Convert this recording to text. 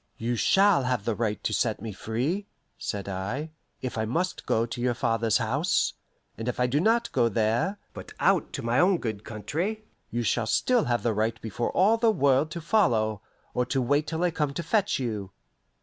"You shall have the right to set me free," said I, "if I must go to your father's house. And if I do not go there, but out to my own good country, you shall still have the right before all the world to follow, or to wait till I come to fetch you."